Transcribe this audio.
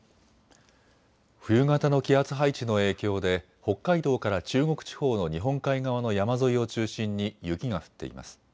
冬型の気圧配置の影響で北海道から中国地方の日本海側の山沿いを中心に雪が降っています。